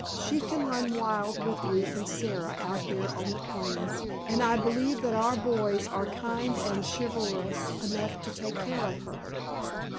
She can run wild with Ruth and Sara out there on the plains, and I believe that our boys are kind and chivalrous enough to take care of her."